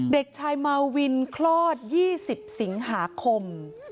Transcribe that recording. เด็กชายมาวินคลอด๒๐สิงหาคม